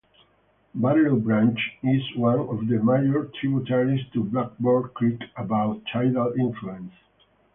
Barlow Branch is one of the major tributaries to Blackbird Creek above tidal influence.